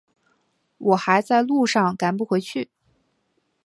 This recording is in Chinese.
我还在路上赶不回去